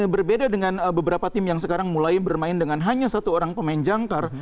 berbeda dengan beberapa tim yang sekarang mulai bermain dengan hanya satu orang pemain jangkar